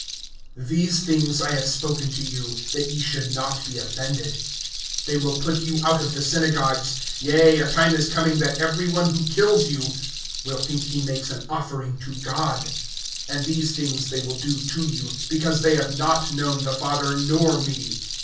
THESE things I have spoken to you, that ye should not be offended. (2)They will put you out of the synagogues; yea, a time is coming, that every one who kills you will think he makes an offering to God. (3)And these things they will do to you, because they have not known the Father, nor me.